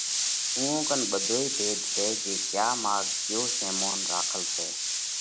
اُوئا ڪنَ ٻڌوئي ڀيۮ سئہ، جي ڪيا ماڳ ڪيو شيمونَ راکل سئہ